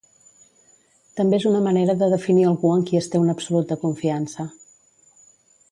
També és una manera de definir algú en qui es té una absoluta confiança.